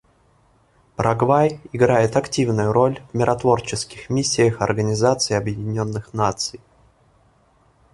Парагвай играет активную роль в миротворческих миссиях Организации Объединенных Наций.